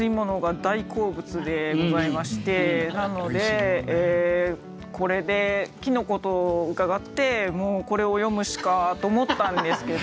なのでこれで「茸」と伺ってもうこれを詠むしかと思ったんですけど。